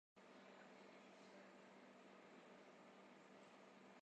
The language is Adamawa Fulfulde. Baaba, o ɗon ƴema jonta duuɓi mon noy jonta ?